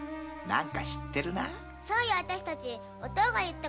何を知ってるの？